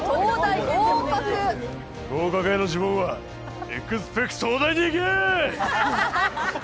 合格への呪文はエクスペクトうだいに行け！